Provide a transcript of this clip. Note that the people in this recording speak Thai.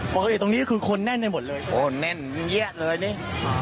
ปกติตรงนี้คือคนแน่นได้หมดเลยใช่ไหมโอ้แน่นเยี้ยเลยนี่